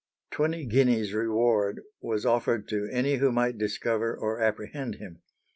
Twenty guineas reward was offered to any who might discover or apprehend him.